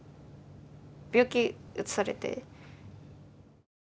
病気うつされて。